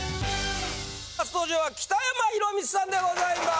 初登場は北山宏光さんでございます！